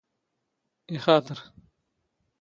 ⵉⵅⴰⵜⵔ.